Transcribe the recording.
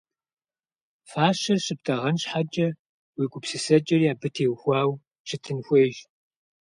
Фащэр щыптӀэгъэн щхьэкӀэ, уи гупсысэкӀэри абы техуэу щытын хуейщ.